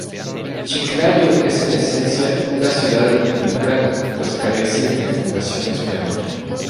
Chiclayo es en esencia una ciudad republicana pues carece de fundación española.